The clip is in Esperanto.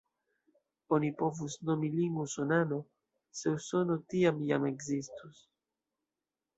Oni povus nomi lin usonano, se Usono tiam jam ekzistus.